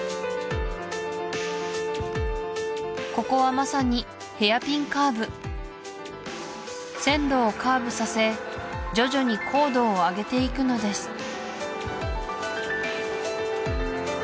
ここはまさにヘアピンカーブ線路をカーブさせ徐々に高度を上げていくのです